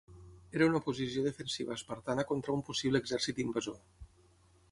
Era una posició defensiva espartana contra un possible exèrcit invasor.